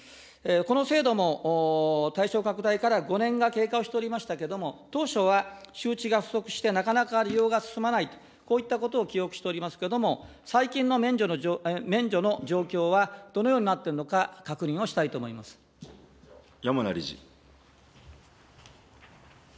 この制度も、対象拡大から５年が経過をしておりましたけれども、当初は周知が不足して、なかなか利用が進まないと、こういったことを記憶しておりますけども、最近の免除の状況はどのようになっているのか、山名理事。